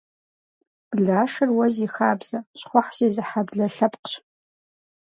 Блашэр уэ зи хабзэ, щхъухь зезыхьэ блэ лъэпкъщ.